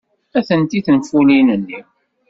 Atenti tenfulin-nni.